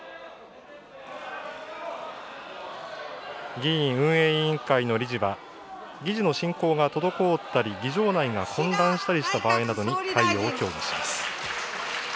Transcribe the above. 議院運営委員会の理事は、議事の進行が滞ったり、議場内が混乱した場合などに対応を協議します。